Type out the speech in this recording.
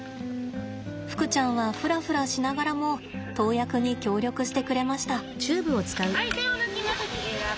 ふくちゃんはふらふらしながらも投薬に協力してくれました。